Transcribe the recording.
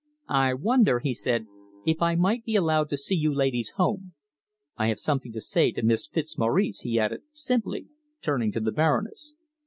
"I wonder," he said, "if I might be allowed to see you ladies home. I have something to say to Miss Fitzmaurice," he added simply, turning to the Baroness.